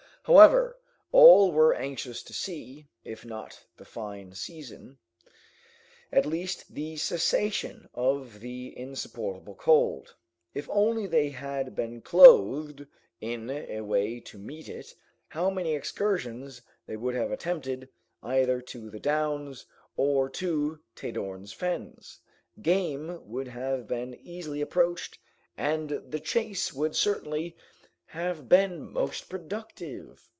However, all were anxious to see, if not the fine season, at least the cessation of the insupportable cold. If only they had been clothed in a way to meet it, how many excursions they would have attempted, either to the downs or to Tadorn's Fens! Game would have been easily approached, and the chase would certainly have been most productive.